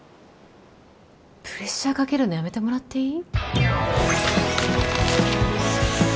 プレッシャーかけるのやめてもらっていい？